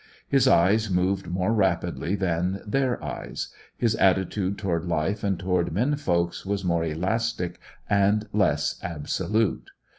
His eyes moved more rapidly than their eyes; his attitude toward life and toward men folk was more elastic and less absolute.